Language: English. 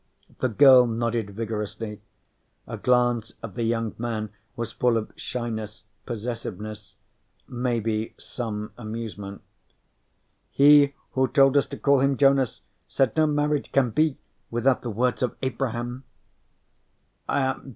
The girl nodded vigorously. A glance at the young man was full of shyness, possessiveness, maybe some amusement. "He who told us to call him Jonas said no marriage can be without the words of Abraham."